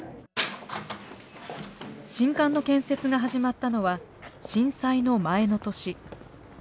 新館の建設が始まったのは震災の前の年。